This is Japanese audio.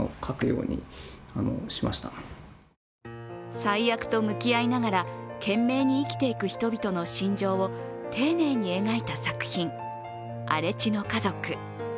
災厄と向き合いながら懸命に生きていく人々の心情を丁寧に描いた作品、「荒地の家族」。